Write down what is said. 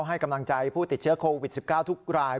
ให้กำลังใจผู้ติดเชื้อโควิด๑๙ทุกราย